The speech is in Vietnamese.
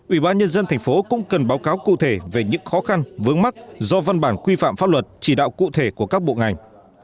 ubnd tp cũng cần báo cáo cụ thể về những khó khăn vướng mắc do văn bản quy phạm pháp luật chỉ đạo cụ thể của các bộ ngành